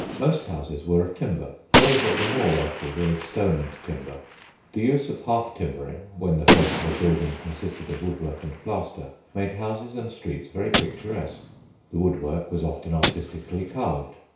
Most houses were of timber; those of the more wealthy were of stone and timber.{original had ","} The use of half timbering, when the face of a building consisted of woodwork and plaster, made houses and streets very picturesque. The woodwork was often artistically carved.